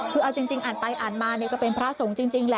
คือเอาจริงอ่านไปอ่านมานี่ก็เป็นพระทั้งสองรูปจริง